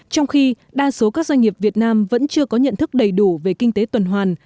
trong khi đa số các doanh nghiệp việt nam vẫn chưa có nhận thức đầy đủ về kinh tế tuần hoàn